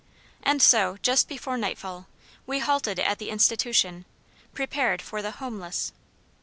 And so, just before nightfall, we halted at the institution, prepared for the HOMELESS.